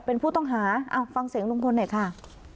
เป็นผู้ต้องหาฟังเสียงลุงพลหน่อยค่ะ